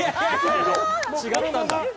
違ったんだ。